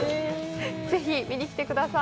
ぜひ見に来てください。